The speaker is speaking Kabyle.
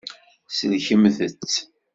Sellkemt-t.